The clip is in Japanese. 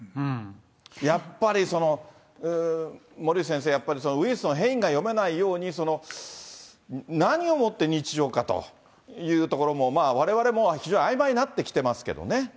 やっぱり森内先生、やっぱり、そのウイルスの変異が読めないように、何をもって日常かというところも、われわれも非常にあいまいになってきてますけどね。